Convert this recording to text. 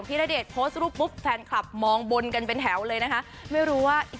ที่อยู่สถานทองฟ้าอีกดี